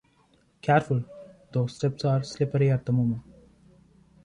Careful, those steps are slippery at the moment.